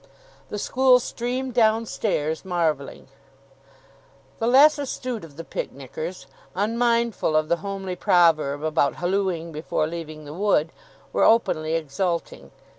The school streamed downstairs, marvelling. The less astute of the picnickers, unmindful of the homely proverb about hallooing before leaving the wood, were openly exulting.